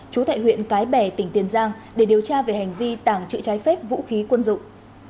chú thại huyện cái bè tỉnh tiền giang để điều tra về hành vi tảng trự trái phép vũ khí quân dụng